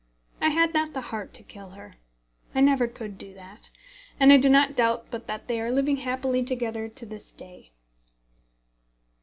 I had not the heart to kill her. I never could do that. And I do not doubt but that they are living happily together to this day.